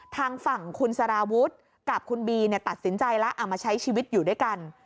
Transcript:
ทางฝั่งคุณสารวุฒิกับคุณบีตัดสินใจแล้วเอามาใช้ชีวิตอยู่ด้วยกัน